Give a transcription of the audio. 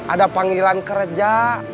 ada panggilan kerja